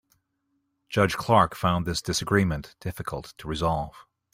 Judge Clark found this disagreement difficult to resolve.